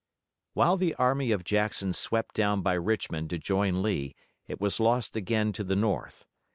While the army of Jackson swept down by Richmond to join Lee it was lost again to the North.